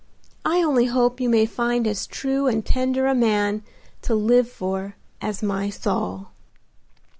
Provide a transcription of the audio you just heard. I only hope you may find as true and tender a man to live for as my Saul."